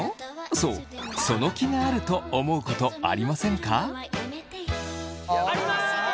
そう「その気がある？」と思うことありませんか？